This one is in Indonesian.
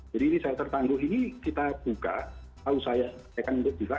jadi ini shelter tangguh ini kita buka tahu saya saya akan menutup jika